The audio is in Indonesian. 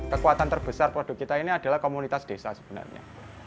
kekuatan terbesar produk kita ini adalah komunitas desa sebenarnya